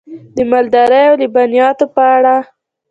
د مالدارۍ او لبنیاتو په اړه: